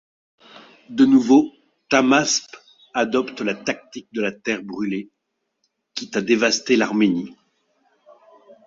De nouveau, Tahmasp adopte la tactique de la terre brûlée, quitte à dévaster l'Arménie.